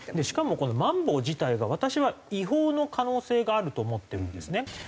しかもこのまん防自体が私は違法の可能性があると思ってるんですね。